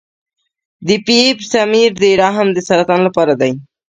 د پی ایپ سمیر د رحم د سرطان لپاره دی.